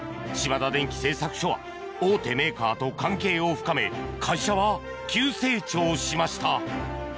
島田電機製作所は大手メーカーと関係を深め会社は急成長しました。